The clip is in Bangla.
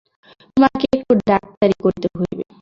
তোমাকে একটু ডাক্তারি করিতে হইবে।